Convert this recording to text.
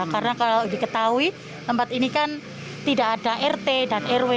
karena kalau diketahui tempat ini kan tidak ada rt dan rw